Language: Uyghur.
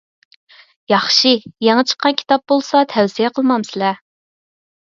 ياخشى، يېڭى چىققان كىتاب بولسا تەۋسىيە قىلمامسىلەر؟